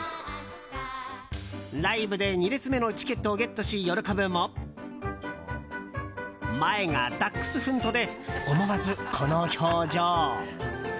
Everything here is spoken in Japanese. ライブで２列目のチケットをゲットし、喜ぶも前がダックスフントで思わず、この表情。